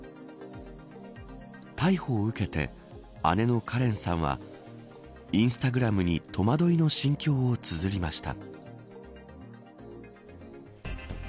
逮捕を受けて姉のカレンさんはインスタグラムに戸惑いの心境を綴りました。